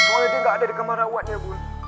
soalnya dia gak ada di kamar rawatnya bund